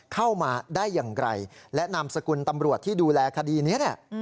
เข้ามาได้อย่างไรและนามสกุลตำรวจที่ดูแลคดีนี้เนี่ย